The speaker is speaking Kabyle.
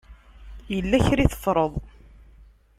Yella kra i teffreḍ.